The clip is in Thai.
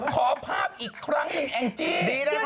ขอภาพอีกครั้งนินแอมแจ